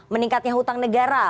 meningkatnya hutang negara